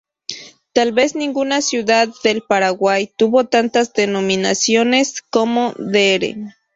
Tal vez ninguna ciudad del Paraguay tuvo tantas denominaciones como Dr.